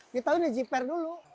kita udah jiper dulu